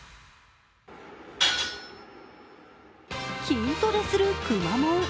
筋トレするくまモン。